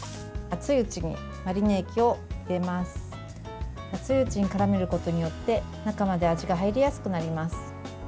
熱いうちにからめることによって中まで味が入りやすくなります。